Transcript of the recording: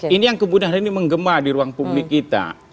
ini yang kemudian hari ini menggema di ruang publik kita